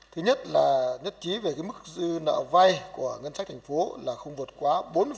thứ nhất là nhất trí về mức dư nợ vay của ngân sách thành phố là không vượt quá bốn